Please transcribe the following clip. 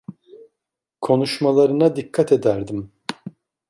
Konuşmalarına dikkat ederdim.